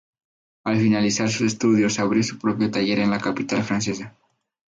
Al finalizar sus estudios abrió su propio taller en la capital francesa.